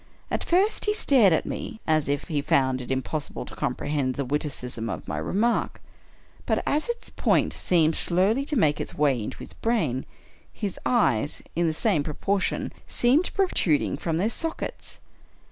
At first he stared at me as if he found it impossible to comprehend the witticism of my remark; but as its point seemed slowly to make its way into his brain, his eyes, in the same pro portion, seemed protruding from their sockets.